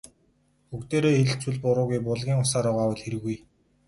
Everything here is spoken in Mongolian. Бүгдээрээ хэлэлцвэл буруугүй, булгийн усаар угаавал хиргүй.